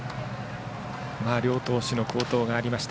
両投手の好投がありました。